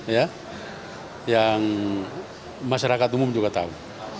ya yang masyarakat umum juga tahu